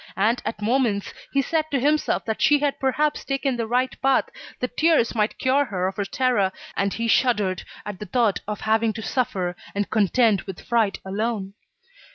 And, at moments, he said to himself that she had perhaps taken the right path, that tears might cure her of her terror, and he shuddered at the thought of having to suffer, and contend with fright alone.